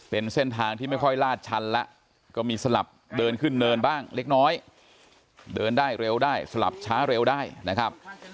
เป็นเส้นทางที่ไม่ค่อยลาดชันแล้วก็มีสลับเดินขึ้นเนินบ้างเล็กน้อยเดินได้เร็วได้สลับช้าเร็วได้นะครับ